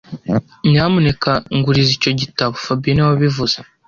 Nyamuneka nguriza icyo gitabo fabien niwe wabivuze